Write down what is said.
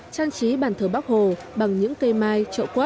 trang trí bàn thờ bắc hồ bằng những cây mai trậu quất